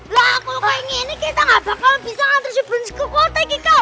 lah kalo kaya gini kita gak bakalan bisa nganter si brunz ke kota ya kikal